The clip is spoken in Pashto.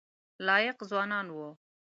لایق ځوانان وو.